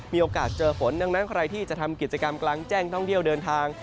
มีโอกาสเจอฝนดังนั้นใครที่จะทำกิจกรรมกลางแจ้งท่องเที่ยวเดินทาง